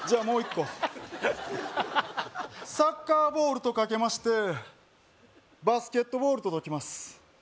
もう１個サッカーボールとかけましてバスケットボールと解きます